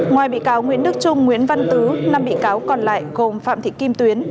ngoài bị cáo nguyễn đức trung nguyễn văn tứ năm bị cáo còn lại gồm phạm thị kim tuyến